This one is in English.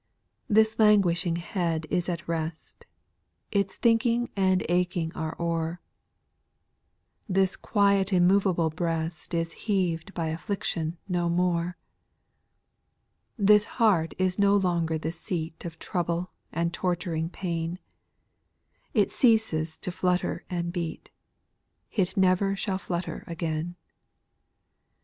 2. This lahguishing head is at rest, It's thinking and aching are o'er ; This quiet immoveable breast Is heaved by affliction no more : This heart is no longer the seat Of trouble and torturing pain ; It ceases to flutter and beat. It never shall flutter again.